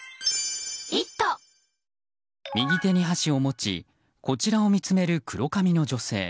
右手に箸を持ちこちらを見つめる黒髪の女性。